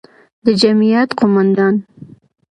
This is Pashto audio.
د جمعیت قوماندان،